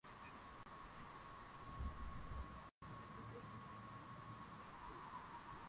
wanawake katika Afrika ilionesha kuwa wanawake na mabinti wa Msumbiji wanaendela kuteseka na tofauti